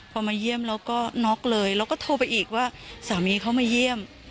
พอมาเยี่ยมแล้วก็น็อกเลยแล้วก็โทรไปอีกว่าสามีเขามาเยี่ยม